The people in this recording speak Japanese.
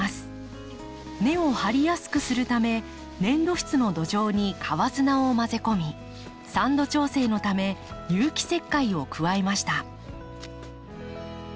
根を張りやすくするため粘土質の土壌に川砂を混ぜ込み酸度調整のため有機石灰を加えました。